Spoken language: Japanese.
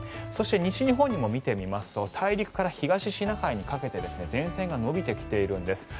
そして、西日本も見てみますと大陸から東シナ海にかけて前線が延びてきているんです。